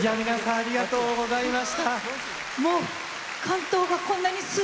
ありがとうございます。